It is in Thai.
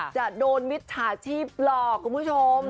จะโดนมิตจหาชีพหลอกเตือน